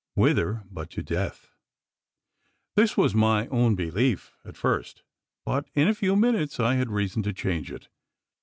Whither but to death? This was my own belief at first; but in a few minutes I had reason to change it.